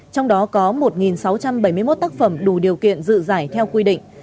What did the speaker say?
trong đó có một sáu trăm bảy mươi một tác phẩm đủ điều kiện dự giải theo quy định